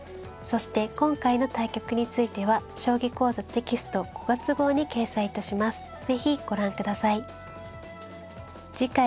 そして今回の対局については「将棋講座」テキスト５月号に掲載致します。